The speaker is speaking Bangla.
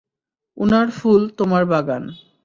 উনার ফুল, তোমার বাগান।